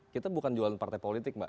kita bukan jualan partai politik mbak